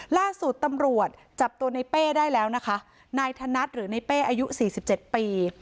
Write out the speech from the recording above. ล่าสุดตำรวจจับตัวในเป้ได้แล้วนะคะนายธนัดหรือในเป้อายุสี่สิบเจ็ดปี